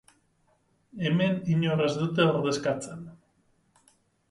Hemen inor ez dute ordezkatzen.